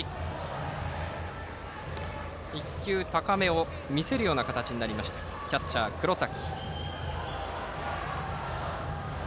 １球、高めを見せる形にしたキャッチャー、黒崎。